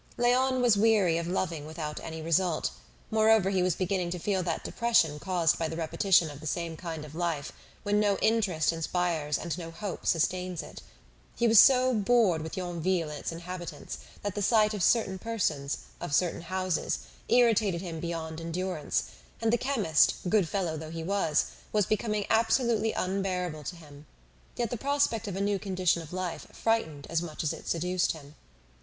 Léon was weary of loving without any result; moreover he was beginning to feel that depression caused by the repetition of the same kind of life, when no interest inspires and no hope sustains it. He was so bored with Yonville and its inhabitants, that the sight of certain persons, of certain houses, irritated him beyond endurance; and the chemist, good fellow though he was, was becoming absolutely unbearable to him. Yet the prospect of a new condition of life frightened as much as it seduced him.